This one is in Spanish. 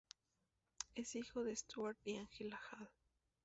Es hijo de Stuart y Angela Hall.